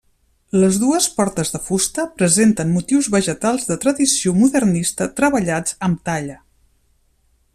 Les dues portes de fusta presenten motius vegetals de tradició modernista treballats amb talla.